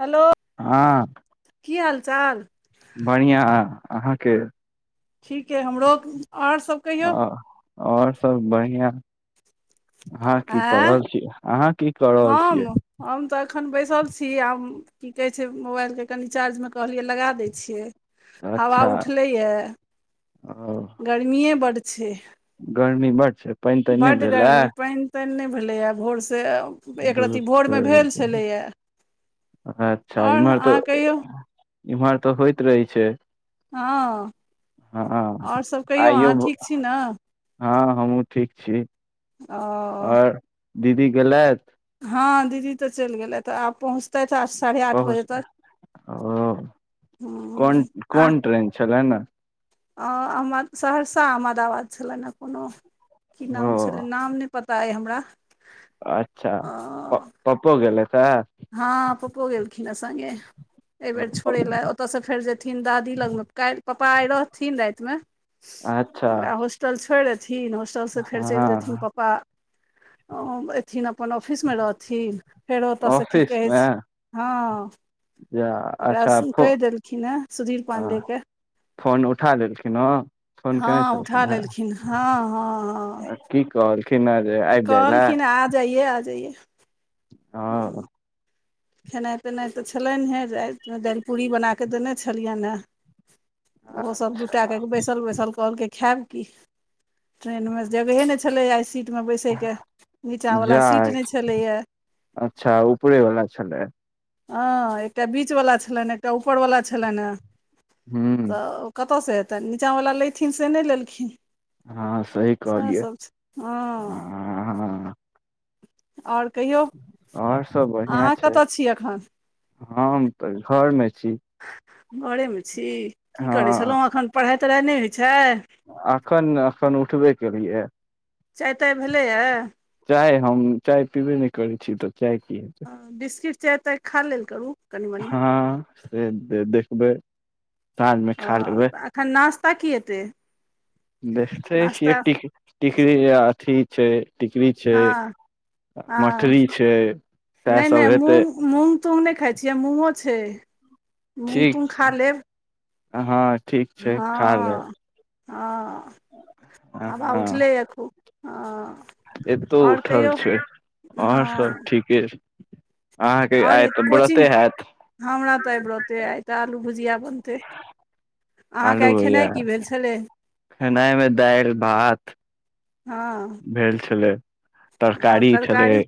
hello हँ की हाल चाल बढ़िआ अहाँके ठीकइ हमरो आओर सब कहियौ आओर सब बढ़िआं अहाँ की क आँय रहल छीयै अहाँ की क रहल हम छियै हम तऽ एखन बैसल छी आब की कहै छै मोबाइल के कनि चार्ज मे कहलियै लगा दैत छियै हवा अच्छा उठलैए ओ गर्मीए बड्ड छै गर्मी बड छै पानि तानि नहि भेल है पाइन नहि भेलैए भोर से दूध [unintelligible] कर छै अच्छा आओर ईमेर अहाँ तऽ कहियौ इम्हर तऽ होइत रहै छै हँ हँ आ ओर सब कहियौ आइयो अहाँ भो- ठीक छी ने हँ हमहुँ ठीक छी ओ आर दीदी गेलेथ हँ दीदी तऽ चलि गेलथि तऽ आब पहुँचतै आ साढ़े आठ पहुँच बजे तक ओ कोन हँ कोन ट्रेन छलैन अ हमरा सहरसा अहमदाबाद छलनि ह कोनो की ओ नाम छलै नाम नहि पता तइ हमरा अच्छा प पप्पो गेलेथ तऽया हँ पप्पो गेलखिन हे संगे एहि बेर छोड़े लए ओतय से फेर जेथिन दादी लग मे काल्हि पापा आ रहथिन राति मे अच्छा ओकरा होस् होस्पिटल छोर अथिन होस्टल से फेर चलि जेथिन हँ पपा एथिन अपन ऑफिस मे रहथिन फेरो ओतऽ से की कहै छै हँ जा ओकरा अच्छा फो कहि देलखिन हेँ सुधीर हँ पाण्डेके फोन उठा लेलखिन ओ हँ उठा लेलखिन हँ हँ हँ की कहलखिन ह जे आबि जाइ लऽ कहलखिन आ जाइए आ जाइए ह खेनाइ पेनाइ तऽ छलनि हे रात दालि पूरी बना कऽ देने छलियनि हे ओहो सभ दू टा बैसल बैसल कहल के खायब कि ट्रेन मे जगहे ने छले आइ सी सीट मे बैसे के नीचा वाला सीट जाय ने छलेया अच्छा उपरेवला छलै हँ एकटा बीच वलाा छलनि एकटा ऊपर वाला छलनि ह ह तऽ कतऽ से हेतनि नीचा बला लेथिन से नहि लेलखिन हँ सही सएह कहलियै सब छै हँ हँ आओर कहियौ आओर सब बढ़िया अहाँ छै कतय छी एखन हम तऽ घर मे छी घरे मे छी की करैत हँ छलहुँ एखन पढ़ाई तढ़ाइ नहि होइत छै अखन अखन उठबे केलियै चाय ताय भेलैए आ चाय हम चाय पीबे नहि करै छी तऽ चाय की बिस्कीट चाह ताय खा लेल करू कनि मनि हँ से दे देखबै साँझमे ओ खा लेबै तऽ एखन नास्ता की हेतयेँ देखते छिय टिकरी आ अथी छै टिकरी छै हँ हँ मठरी छै सएह नहि नहि सब हेतै मूँग मूँग तूँग नहि खाइ छियै मूँगो छै मूँग ठीक तूँग खा लेब हँ ठीक छै खा लेब हँ हँ आाबा हँ उठले एको हँ एतौ आओर उठल कहियौ छै आ सब हँ ठीक कि अहाँके आओर आइ तऽ कोचिंग बरैते हात हमरा तऽ आय व्रते आइ तऽ आइ दाल भुजिया बनते अहाँके आइ खेनाइ की भेल छै छलै खेनाइमे दालि भात हँ भेल छलै आओर तरकारी छलै तरकारी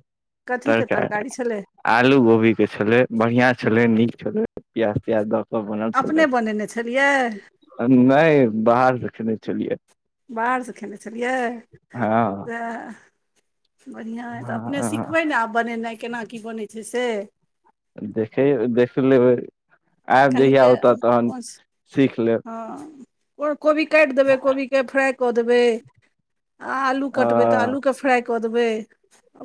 कथीके तरकारी छलै आलू गोभी के छलै बढ़िया छलै नीक छलै प्याज त्याज द क सब बनल अपने बनेने छलियै छलखिन नहि बाहर रखने छलियै बाहरसँ खेने छलियै हँ तऽ बढ़िआँ हइ तऽ हँ अपने हँ सिखबै ने आब बनेनाइ केना की बनै छै से देखे देख लेबै आयब कनिके जहिया होतऽ तहन सीख लेब हँ कोबी काटि देबै कोबीके फ्राइ कऽ देबै आ आलू ह कटबै तऽ आलूके फ्राय कऽ देबै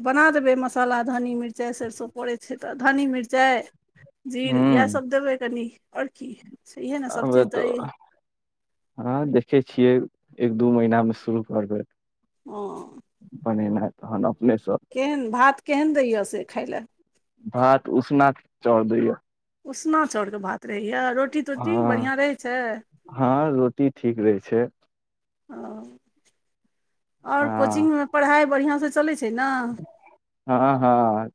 बना देबै मसाला धनी मिरचाइ सरिसो पड़ै छै तऽ धन्नी मिरचाइ जीर यैह हूँ सब देबै कनी आओर कि हमे तऽ हँ देखै छियै एक दू महीनामे शुरू करबै ओ बनेनाय तहन अपनेसँ केहन भात केहन दैए यै से खाय लए भात उसना चौउर दै यै उसना चाउरके भात रहैए रोटी तोटी हँ बढ़िआँ रहै छै हँ रोटी टी ठीक रहै छै ओ आओर हँ कोचिंगमे पढ़ाइ बढ़िआँसँ चलै छै ने हँ हँ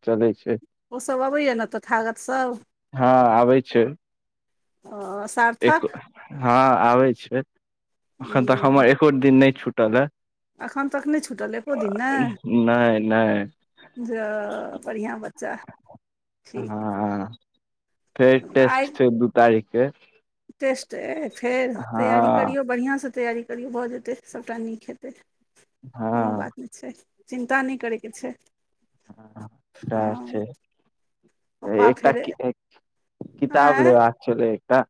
चलै छै ओसभ अबैए ने तथागतसभ हँ आबै छै ओ एक हँ आबै छै एखन तक उम्म, हमर एको दिन नहि छुटल हए एखन तक नहि छूटल एको दिन ने नहि नहि जा बढ़िआँ बच्चा ठीक हँ फेर आइ टेस्ट छै दू तारीखके टेस्ट अइ फेर तैयारी करियौ बढ़िआँसँ तैयारी करियौ भऽ जेतै सभटा नीक हेतै हँ कोनो बात नहि छै चिन्ता नहि करैके छै सैह हँ छै पप्पा एकटा फेर किताब आँय लेबाक छलै एकटा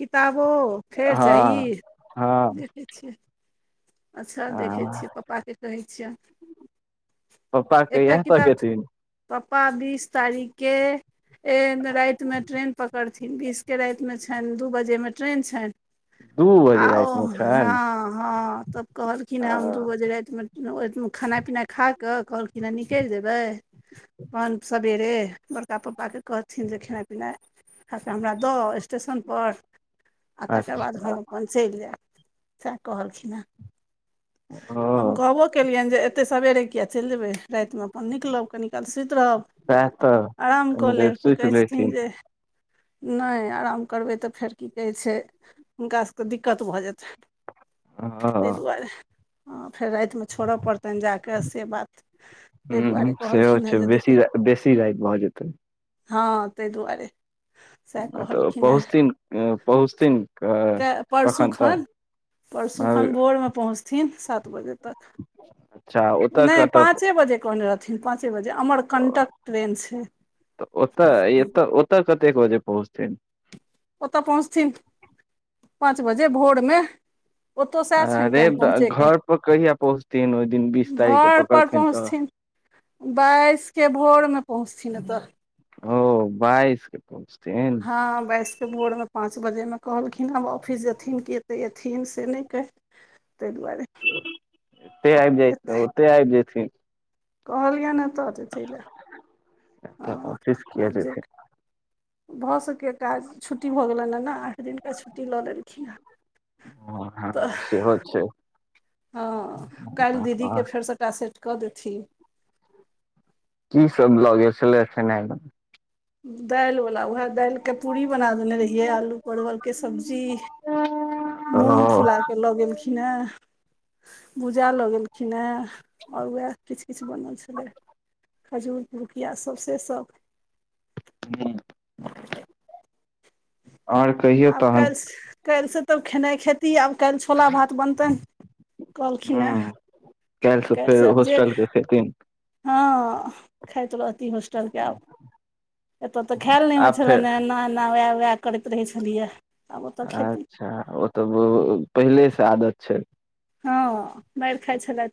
किताबो फेर चाही हँ हँ देखै छियै अच्छा आ देखै छियै पप्पाकेँ कहै छियैन पप्पा एकटा कहिया तक किताब एथिन पापा बीस तारिख के ए रातिमे ट्रेन पकड़थिन बीसके रातिमे छनि दू बजेमे ट्रेन छनि दू बजे आउ राति मे छनि हँ हँ तब कहलखिन हम दू हँ बजे रातिमे ओ खेनाइ पीनाइ खा कऽ कहलखिन हन निकलि जेबै बन सबेेरे बरका पपा के कहथिन जे खेनाइ पिनाइ दऽ आउ हमरा स्टेशनपर आ तकर बाद अच्छा हम अपन चलि जैब सएह कहलखिन हन ह हम कहबो केलियैन जे एतेक सबेरे किए चलि जेबै रातिमे अपन निकलब कनि काल सुति रहब सएह तऽ आराम कऽ कनी देर लेब तऽ कहै सुति छथिन लेथिन जे नहि आराम करबै तऽ फेर की कहै छै हुनका सबके दिक्कत भऽ जेतैन ह ताहि दुआरे ह फेर रातिमे छोड़य पड़तनि जा कऽ से बात ताहि ह दुआरे सेहो कहलखिन हेँ छै जे बेसी दिक्कत राइत बेसी राइत भऽ जेतै हँ तहि दुआरे सैह तऽ कहलखिन हन पहुँचथिन पहुँचथिन के परसू कखन तक खन परसु खन भोर भोर मे पहुचथिन सात बजे तक अच्छा ओतऽ नहि कतऽ पाँचे बजे कहने रहथिन पाँचे बजे अमर कंटक ट्रेन छै तऽ ओतऽ एत ओतऽ कतेक बजे पहुँचथिन ओतय पहुँचथिन पाँच बजे भोरमे ओतौ सैह छैन अरे टाइम ब- पहुँचैके घर पर कहिया पहुँचथिन ओहि दिन बीस तारीख के घर पर पकड़थिन तऽ पहुँचथिन बाइसके भोरमे पहुँचथिन एतऽ ओ बाइसके पहुँचथिन हँ बस त भोरमे पाँच बजेमे कहलखिन आब ऑफिस जेथिन कि एतेक अथिन से नहि कै तैहि दुआरे त आब जाइ ओ त आब जाइ कहलियै ने तऽ चलि तऽ ऑफिस किया हँ जे जेथिन भऽ सकैत काज छुट्टी भऽ गेलनि ने आई दिनका छुट्टी लऽ लेलखिन हे तऽ हो छै हँ काल्हि आ, दीदीके फेर सभटा सेट कऽ देथिन की सब लग छल छै ने दालि वाला वएह दालि के पूरी बना देने ये आलू परवल के सब्जी मूग ओ फुला के लऽ गेलखिन हे भूजा लऽ गेलखिन हे आओर उएह किछु किछु बनल छलै खजूर पिुरुकिया सब से सब आओर कहियौ आब तहन कायल कायल से तब खेनाइ खेती आब काल्हि छोला भात बनतनि कहलखिन हे ह काल्हि फेर से जे होस्टल के खेथिन हँ खाइत रहती होस्टलके आब एतय तऽ खायल नहि होइत आब फेर छलनि ह एना एना उएह उएह करैत रहै छलियै आब ओतय खेती अच्छा ओ तऽ पहिले से आदत छै हँ मारि खाइ छलै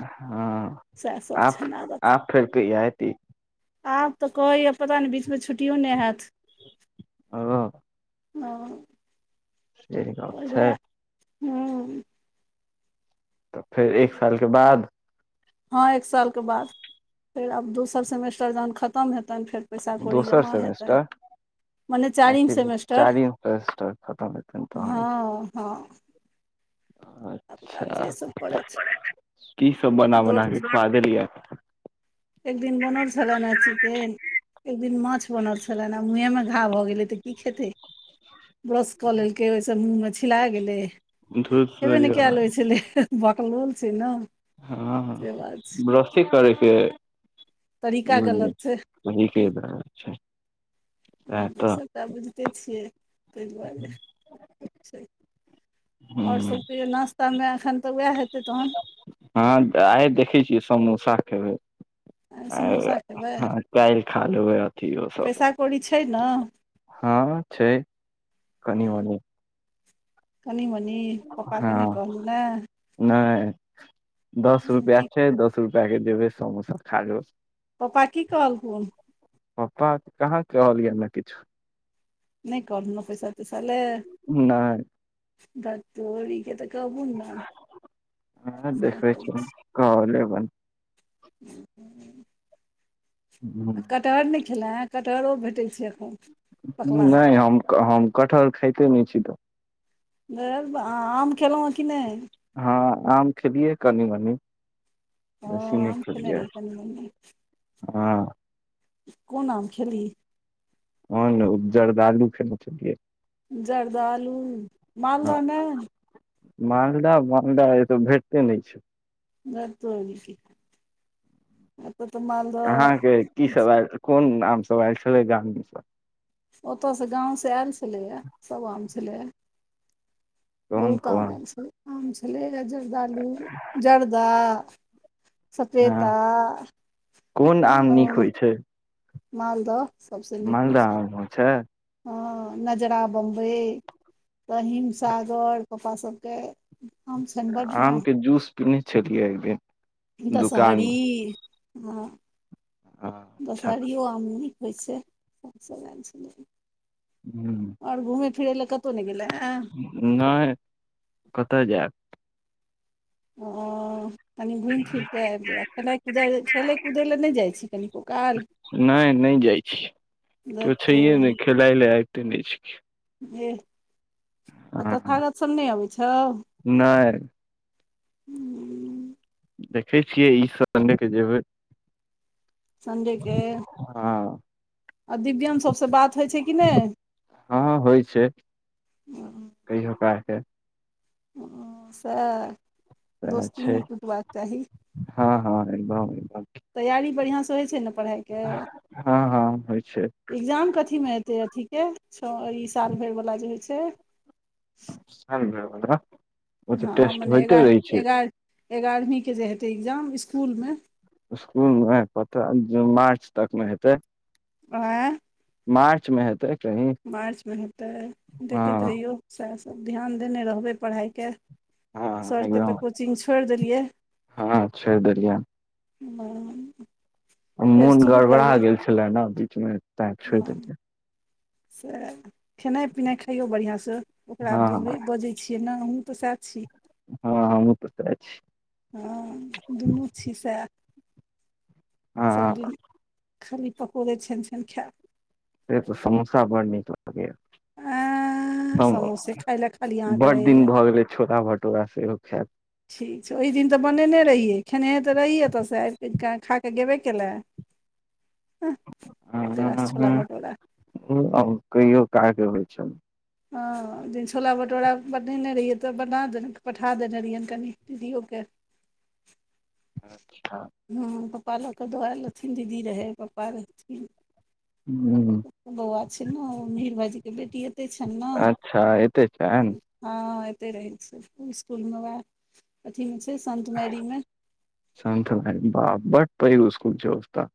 हँ आब छनि आदत आब फेर कहिया ऐते आब तऽ कहैए पता नहि बीचमे छुट्टियो नहि हैत ओ हँ से कहात छै हूँ तऽ फेर एक सालके बाद हँ एक सालके बाद फेर आब दोसर सेमेस्टर जहन खतम हेतनि फेर पैसा कौड़ी दोसर जमा हेतै सेमेस्टर मने आ चारिम फिर सेमेस्टर चारिम सेमेस्टर खतम हेतनि तहन हँ हँ आब आब जे अच्छा सब करैथ की सब बना दौड़ बना के खुआ देलिये एक दिन बनल छलनि ह चिकेन एक दिन माछ बनल छलनि आ मुँहे मे घा भऽ गेलै तऽ की खेतै ब्रश कऽ लेलकै ओहिसँ मुँह मे छिला गेलै धूस हेबे ने कयल होइ छलै बक लोल छै ने हँ से बात छै बरिश करैके तरीका गलत छै बुझलिय हीकेचछा हसभ तऽ आब बुझिते छियै ताहि दुआरे छै ओर हूँ सभ कहि नास्तामे एखन तऽ उएह हेतै तहन हँ आइ देखै छियै समोसा खेबै आ समोसा खेबै ह कालहि खा लेबै अथ ओ सब पैसा कौड़ी छै ने हँ छै कनि मनी कनि मनी पप्पा नहि हँ कहलहु ने नहि दस रूपैआ की छै दस रुपआ अ देब समोसा खाजो प्पपा की कहल कोन पापा कहाँ कहल यए ने किछु नहि कर ने पैसा तेसा ले नहि बक तोरी क तऽ कबन दाम स कह लेबन हूँ आ हूँ कटहर नहि खेलए हे कटहरो भेटै छै एखन पकलाहा नहि हम हम कटहर खाइते नहि छी तऽ आम खयेलहुँ हँ कि नहि हँ आम खेलियै कनि मनि ओ बेसी नहि आम खेने खेलिय रही कनि मनि हा कोन आम खेली ह ने उपजरदालू खेने छलियै जर्द आलू हँ मालदह ने मालदह मालदह ए तो भेटते नहि छै गरत अ कि [unintelligible] त तऽ माल अहाँके की सब आयल कोन आम सब आयल छलै गामी ओतयसँ गाँव से आयल छलैए सभ आम छलैए कोन बहुत आम कोन आयल छलै आम छलै जर्दालू जर्दा सफेद हँ आ कोन आम नीक होइ छै मालदह सबसँ नीक होइ मालदह छै आम छै हँ नजरा बम्बई तऽ हिम सागर प्पपा सभके हम सरजना आम के जूस पीने छलियै एक दिन दुकान दसहरी मे ह अच्छा दसहरिओ आम नीक होइ छै सभ सभ आयल छलै हू ओर घुमय फिरै लए कतहु नहि गेलै आँय नहि कतऽ जायब ओ कनि घुम फिर कऽ आबि ज खेलनाइ कुदए खेलै कूदै लए नहि जाइ छी कनि क काल नहि नहि जाइ छीय कि छै नहि खेलाय लए आबते नहि छ जेह ओतऽ हँ तथागत सभ नहि अबै छ नहि हूँ देखै छियै ई संडे के जेबै सण्डेके हँ आ दिव्या सभसँ बात होइ छै कि नहि हँँ हँ होइ छै नहि कहियो काल के ओ सए सएह दोस्ती छै नय टूटबाक चाही हँ हँ एकदम एकदम तैयारी बढ़िआँसँ होइ छै ने पढ़ाइके हँ हँ होइ छै ए्जाम कथीमे एतै अथी छ ई साल भरि वला जे होइ छै साल भर वला ओ तऽ टेस्ट होइते रहै छै एगारहवी के जे हेतै एग्जाम स्कूल मे स्कूल मे पता जे मार्च तक मे हेतै आँ मार्च मे हेतै कहीं मार्च मे हेतै देखैत हँ रहियौ सएहसभ ध्यान देने रहबै पढ़ाई के हँ सर केँ एकदम तऽ कोचिंग छोयर देलियै हँ छोड़ि देलियै ह मोन गड़बड़ा गेल छले ने बीच मे तै छोड़ हँ देलिऐ से खेनाइ पिनाइ खइयौ बढ़िआँसँ ओकरा हँ बु बजै छियै ने हमूँ तऽ सह छी हँ हँ मु पुस अ छी हँ दुनू छी सए हँ सभदिन खाली पकोड़े छन छन खायत से तऽ समोसा बड़ नीक लागयै आ ह म समोसे खाय लए खाली अहाँके बड दिन रहैया भऽ गेलै छोला भटूरा सेहो खायला ठीक छै ओहि दिन तऽ बनेने रहियै खेनहे तऽ रहियै एतऽसँ आब क खा कऽ गेबे केलै हु ओतरास छोला भटोरा ह कहियो का होइ छै हँ जे छोला भटूरा बनेने रहियै तऽ बना पठा देने रहियैनि कनि दीदियोके [inaudible] हँ हँ पप्पा लके दौआ लहथिन दीदी रहै पप्पा रहथिन [inaudible] बौआ छै ने भिर भाईजी के बेटिय अच्छा एते छैन हँ एते रहै छै स्कूल मे वएह अथी मे छै समधियारी मे संत ना मैरी बा बड पयिग स्कूल छै ओस्त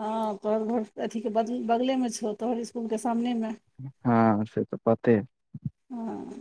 हँ तोहर घर अथीके बग बगलेमे छौ तोहर स्कूल के सामने मे हँ से तऽ पते हँ [inaudible]